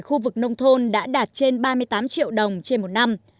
khu vực nông thôn đã đạt trên ba mươi tám triệu đồng trên một năm